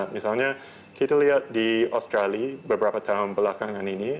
misalnya kita lihat di australia beberapa tahun belakangan ini